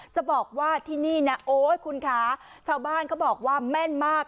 จะบอกว่าที่นี่นะโอ๊ยคุณคะชาวบ้านเขาบอกว่าแม่นมาก